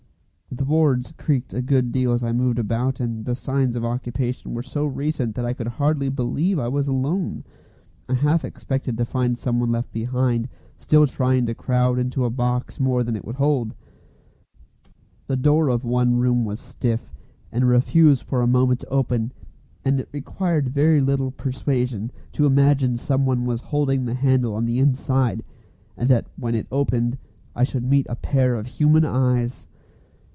The boards creaked a good deal as I moved about, and the signs of occupation were so recent that I could hardly believe I was alone. I half expected to find someone left behind, still trying to crowd into a box more than it would hold. The door of one room was stiff, and refused for a moment to open, and it required very little persuasion to imagine someone was holding the handle on the inside, and that when it opened I should meet a pair of human eyes.